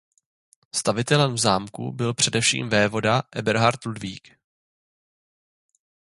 Stavitelem zámku byl především vévoda Eberhard Ludvík.